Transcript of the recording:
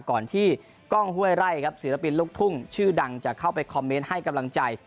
ก่อนที่กล้องห้วยไร่ครับศิลปินลูกทุ่งชื่อดังจะเข้าไปคอมเมนต์ให้กำลังใจ